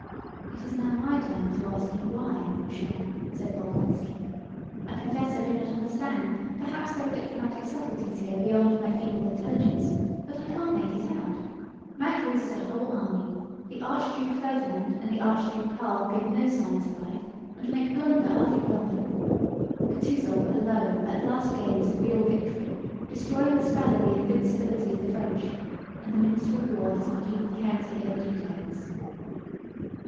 "It is now my turn to ask you 'why?' mon cher," said Bolkónski. "I confess I do not understand: perhaps there are diplomatic subtleties here beyond my feeble intelligence, but I can't make it out. Mack loses a whole army, the Archduke Ferdinand and the Archduke Karl give no signs of life and make blunder after blunder. Kutúzov alone at last gains a real victory, destroying the spell of the invincibility of the French, and the Minister of War does not even care to hear the details."